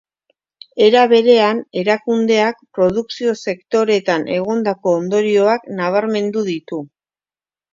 Era berean, erakundeak produkzio-sektoreetan egondako ondorioak nabarmendu ditu.